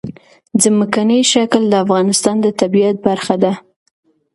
ځمکنی شکل د افغانستان د طبیعت برخه ده.